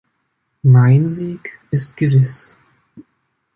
Mein Sieg ist gewiss.